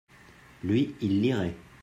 lui, il lirait.